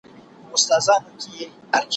زمري وویل خوږې کوې خبري